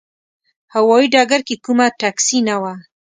هوايي ډګر کې کومه ټکسي نه وه.